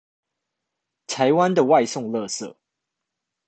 台灣的外送垃圾